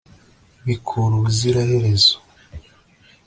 bikura ubuziraherezo